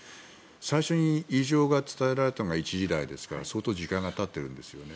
最初に異常が伝えられたのが１時台ですから相当時間がたっているんですよね。